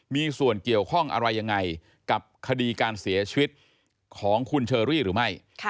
มีส่วนเกี่ยวข้องอะไรยังไงกับคดีการเสียชีวิตของคุณเชอรี่หรือไม่